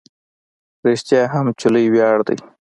رښتیا هم چې لوی ویاړ دی.